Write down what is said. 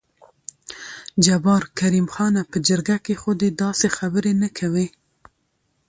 جبار: کريم خانه په جرګه کې خو دې داسې خبرې نه کوې.